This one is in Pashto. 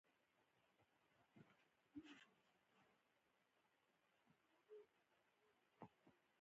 دوی په دې ځانګړتیا باندې ډېر زیار باسي او د پوښتنو ځوابونه پیدا کوي.